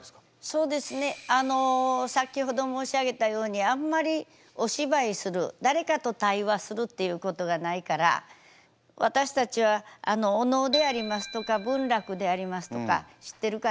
そうですね先ほど申し上げたようにあんまりお芝居する誰かと対話するっていうことがないから私たちはお能でありますとか文楽でありますとか知ってるかな？